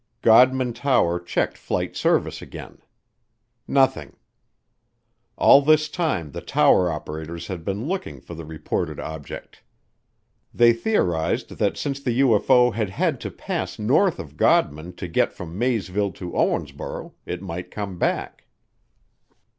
Godman Tower checked Flight Service again. Nothing. All this time the tower operators had been looking for the reported object. They theorized that since the UFO had had to pass north of Godman to get from Maysville to Owensboro it might come back.